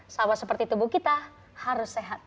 sama seperti tubuh kita harus sehat